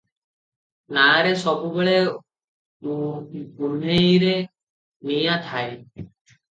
ନାଆରେ ସବୁବେଳେ ଉହ୍ନେଇରେ ନିଆଁ ଥାଏ ।